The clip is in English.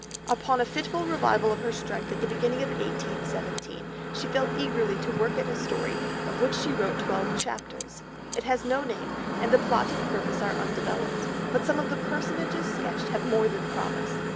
"Upon a fitful revival of her strength, at the beginning of 1817, she fell eagerly to work at a story, of which she wrote twelve chapters. It has no name, and the plot and purpose are undeveloped. But some of the personages sketched have more than promise.